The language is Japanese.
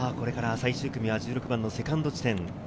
最終組は１６番のセカンド地点。